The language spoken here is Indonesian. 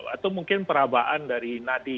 atau mungkin perabaan dari nadi